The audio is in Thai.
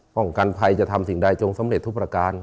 กันภัยจะทำสิ่งใดจงสำเร็จทุกประการ